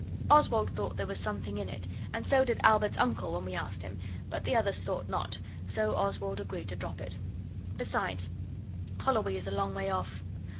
Oswald thought there was something in it, and so did Albert's uncle when we asked him, but the others thought not, so Oswald agreed to drop it. Besides, Holloway is a long way off.